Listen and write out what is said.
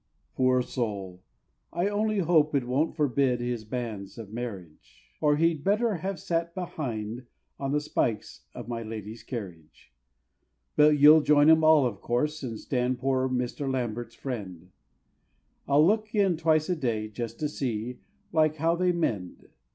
Poor soul! I only hope it won't forbid his banns of marriage; Or he'd better have sat behind on the spikes of my Lady's carriage. But you'll join 'em all of course, and stand poor Mr. Lambert's friend, I'll look in twice a day, just to see, like, how they mend.